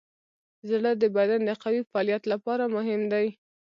زړه د بدن د قوي فعالیت لپاره مهم دی.